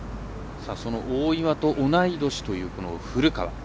その大岩と同い年という古川。